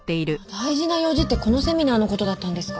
大事な用事ってこのセミナーの事だったんですか。